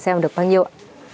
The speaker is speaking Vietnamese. xem được bao nhiêu ạ